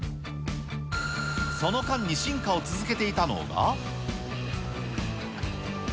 その間に進化を続けていたのが。